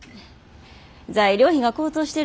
材料費が高騰してる